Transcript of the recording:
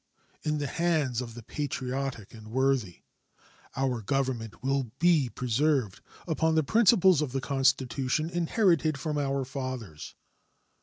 In the hands of the patriotic and worthy our Government will be preserved upon the principles of the Constitution inherited from our fathers.